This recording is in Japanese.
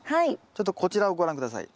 ちょっとこちらをご覧下さい。